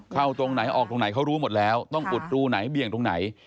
ตรงไหนออกตรงไหนเขารู้หมดแล้วต้องอุดรูไหนเบี่ยงตรงไหน